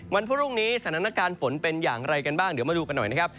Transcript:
วันพรุ่งนี้สถานการณ์ฝนเป็นอย่างไรกันบ้างเดี๋ยวมาดูกันหน่อยนะครับ